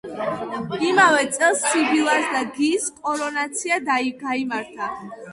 იმავე წელს სიბილას და გის კორონაცია გაიმართა.